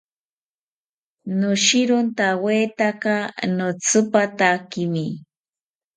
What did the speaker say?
Noshirontawetaka notsipatakimi